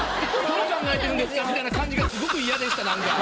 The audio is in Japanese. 「どう考えてるんですか？」みたいな感じが逆に嫌なんか。